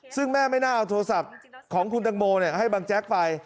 ซึ่งแม่ไม่น่าเอาโทรศัพท์ของคุณตังโมให้บังแจ๊กไป